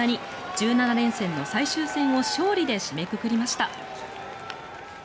１７連戦の最終戦を勝利で締めくくりました。